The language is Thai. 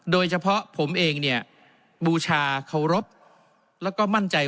โดยเฉพาะผมเองเนี่ยบูชาเคารพแล้วก็มั่นใจ